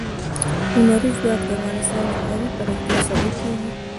لمریز ځواک د افغانستان د ښاري پراختیا سبب کېږي.